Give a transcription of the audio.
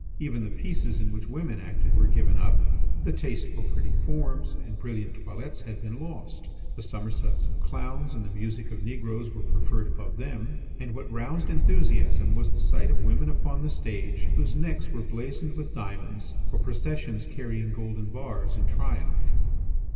Even the pieces in which women acted were given up; the taste for pretty forms and brilliant toilettes had been lost; the somersaults of clowns and the music of negroes were preferred above them, and what roused enthusiasm was the sight of women upon the stage whose necks were bedizened with diamonds, or processions carrying golden bars in triumph.